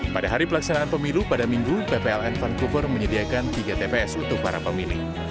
pada hari pelaksanaan pemilu pada minggu ppln vancouver menyediakan tiga tps untuk para pemilih